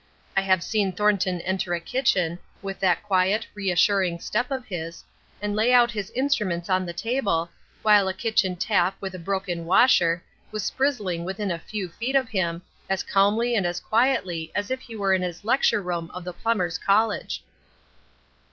I have seen Thornton enter a kitchen, with that quiet reassuring step of his, and lay out his instruments on the table, while a kitchen tap with a broken washer was sprizzling within a few feet of him, as calmly and as quietly as if he were in his lecture room of the Plumbers' College.